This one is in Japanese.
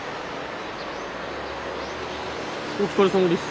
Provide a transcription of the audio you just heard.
お疲れさまです。